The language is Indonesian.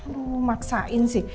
aduh maksain sih